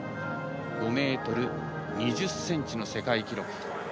５ｍ２０ｃｍの世界記録。